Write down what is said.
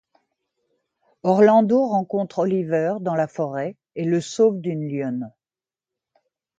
Orlando rencontre Oliver dans la forêt et le sauve d'une lionne.